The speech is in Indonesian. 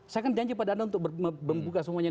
saya akan janji pada anda untuk membuka semuanya